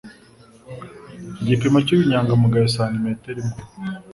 Igipimo cy'ubunyangamugayo santimetero imwe